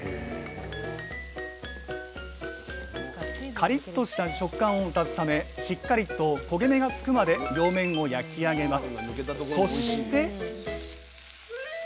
カリッとした食感を足すためしっかりと焦げ目がつくまで両面を焼き上げます。